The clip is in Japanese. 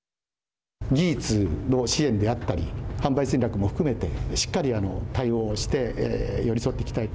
事実、支援であったり販売戦略も含めてしっかり対応して寄り添っていきたいと。